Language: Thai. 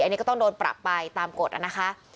อันนี้ก็ต้องโดนปรับไปตามกฎนะคะ